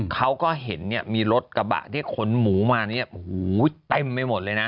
เขาก็เห็นเนี่ยมีรถกระบะที่ขนหมูมาเนี่ยโอ้โหเต็มไปหมดเลยนะ